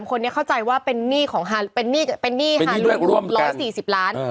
๓คนนี้เข้าใจว่าเป็นหนี้ฮารุ๑๔๐ล้าน